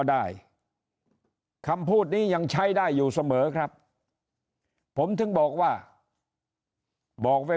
ได้คำพูดนี้ยังใช้ได้อยู่เสมอครับผมถึงบอกว่าบอกไว้